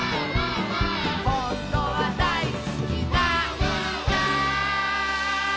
「ほんとはだいすきなんだ」